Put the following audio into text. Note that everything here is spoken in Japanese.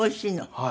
はい。